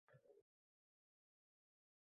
Shu ruhida kamol toptirish lozim.